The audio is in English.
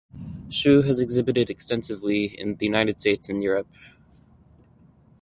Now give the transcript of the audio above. Hsu has exhibited extensively in the United States and Europe.